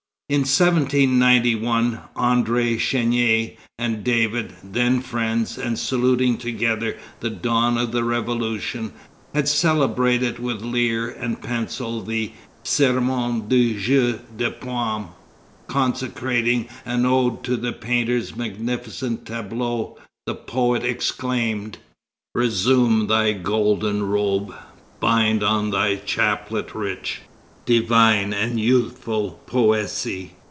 In 1791, André Chénier and David, then friends, and saluting together the dawn of the Revolution, had celebrated with lyre and pencil the "Serment du Jeu de Paumé" Consecrating an ode to the painter's magnificent tableau, the poet exclaimed: Resume thy golden robe, bind on thy chaplet rich, Divine and youthful Poesy!